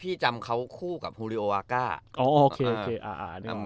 พี่จำเขาคู่กับฮูริโอาก้าอ๋อโอเคโอเคอ่าอ่า